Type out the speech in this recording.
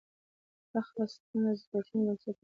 پراخ بنسټه زبېښونکي بنسټونه لري.